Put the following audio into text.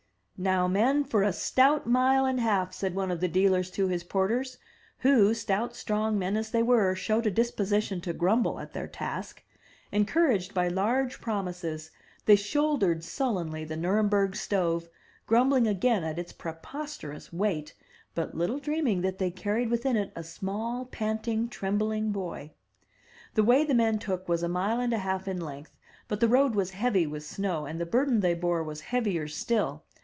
"Now, men, for a stout mile and half!'* said one of the dealers to his porters, who, stout, strong men as they were, showed a disposition to grumble at their task. Encouraged by large promises, they shouldered sullenly the Nuremberg stove, grumb ling again at its preposterous weight, but Uttle dreaming that they carried within it a small, panting, trembling boy. The way the men took was a mile and a half in length, but the road was heavy with snow, and the burden they bore was heavier still.